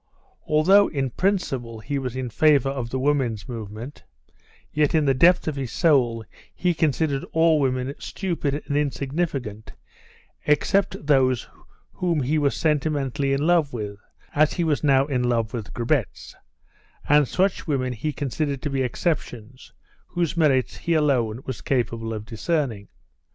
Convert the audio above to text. Although in principle he was in favour of the woman's movement, yet in the depth of his soul he considered all women stupid and insignificant except those whom he was sentimentally in love with (as he was now in love with Grabetz), and such women he considered to be exceptions, whose merits he alone was capable of discerning.